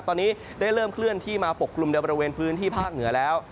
ตอนนี้ได้เริ่มเคลื่อนที่มาปกกลุ่มในบริเวณพื้นที่ภาคเหนือแล้ว